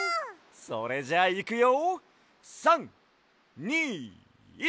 それじゃあいくよ！